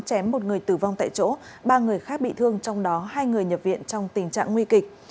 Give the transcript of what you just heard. chém một người tử vong tại chỗ ba người khác bị thương trong đó hai người nhập viện trong tình trạng nguy kịch